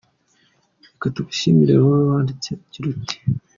Reka tugushimire wowe wanditse ugira uti :